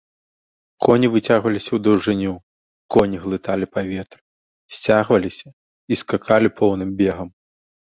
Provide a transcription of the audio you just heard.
Коні выцягваліся ў даўжыню, коні глыталі паветра, сцягваліся і скакалі поўным бегам.